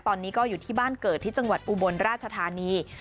ตอนนี้ก็อยู่ที่บ้านเกิดที่จังหวัดอุบลราชธานี